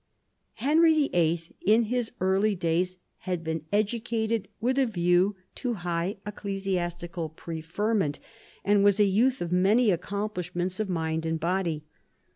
Henry VIIL in his early days had been educated with a view to high ecclesiastical preferment, and was a I THE STATE OF EUROPE 18 youth of many axjcomplishments of mind and body.